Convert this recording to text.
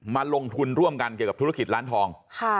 มาลงทุนร่วมกันเกี่ยวกับธุรกิจร้านทอง